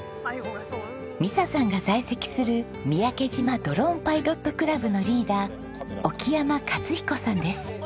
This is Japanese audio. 美砂さんが在籍する三宅島ドローンパイロットクラブのリーダー沖山勝彦さんです。